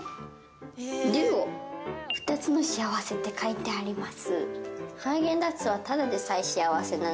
「２つの幸せ」って書いてあります。